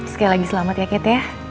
sekali lagi selamat ya kete ya